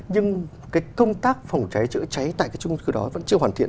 nhưng công tác phòng cháy chữa cháy tại trung cư đó vẫn chưa hoàn thiện